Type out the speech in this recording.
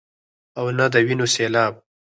او نۀ د وينو سيلاب ،